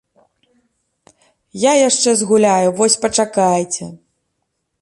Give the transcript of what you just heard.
Я яшчэ згуляю, вось пачакайце!